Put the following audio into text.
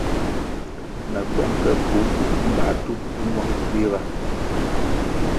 Me pong ke bvu mbā tup-tup nwang kuiga.